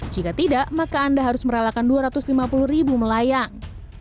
jika tidak maka anda harus merelakan dua ratus lima puluh ribu melayang